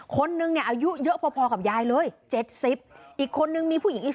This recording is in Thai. คนนึงเนี่ยอายุเยอะพอกับยายเลย๗๐